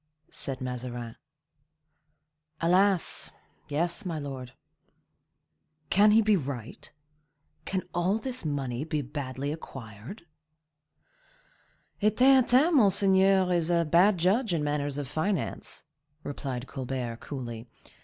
said Mazarin. "Alas! yes, my lord." "Can he be right? Can all this money be badly acquired?" "A Theatin, monseigneur, is a bad judge in matters of finance," replied Colbert, coolly.